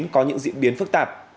có những diễn biến phát triển